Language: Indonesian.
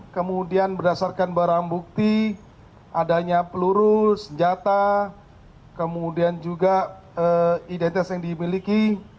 kemudian berdasarkan barang bukti adanya peluru senjata kemudian juga identitas yang dimiliki